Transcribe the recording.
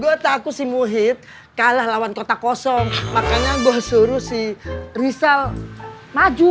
gue takut si muhyiddin kalah lawan kota kosong makanya gue suruh si rizal maju